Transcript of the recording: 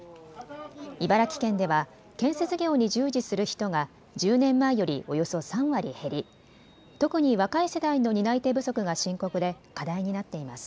茨城県では建設業に従事する人が１０年前よりおよそ３割減り、特に若い世代の担い手不足が深刻で課題になっています。